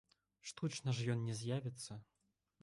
Штучна ж ён не з'явіцца!